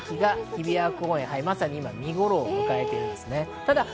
日比谷公園、まさに今、見頃を迎えています。